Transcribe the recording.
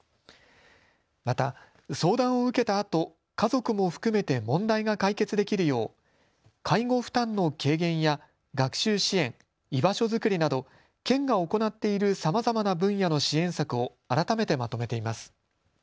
また相談を受けたあと家族も含めて問題が解決できるよう介護負担の軽減や学習支援、居場所作りなど県が行っているさまざまな分野の支援策を改めてまとめています。